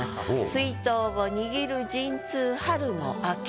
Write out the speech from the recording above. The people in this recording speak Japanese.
「水筒を握る陣痛春の暁」。